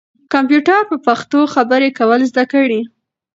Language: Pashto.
کمپیوټر به په پښتو خبرې کول زده کړي.